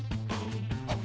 あっ。